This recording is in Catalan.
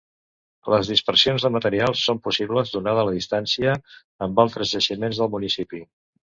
Les dispersions de materials són possibles donada la distància amb altres jaciments del municipi.